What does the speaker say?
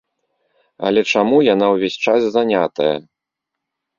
Але чаму яна ўвесь час занятая?